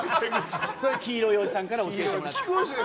それは黄色いおじさんから教えてもらった。